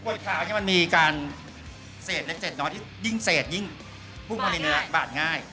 คราวนี้มันมีการเศษเล็กเศษน้อยที่ยิ่งเศษยิ่งพุ่งมาในเนื้อบาดง่าย